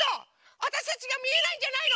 わたしたちがみえないんじゃないの？